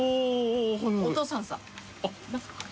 お父さんさ。